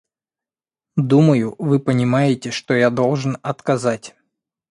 Думаю, вы понимаете, что я должен отказать.